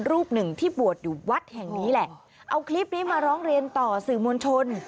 รูปหนึ่งที่บวชอยู่วัดแห่งนี้แหละเอาคลิปนี้มาร้องเรียนต่อสื่อมวลชน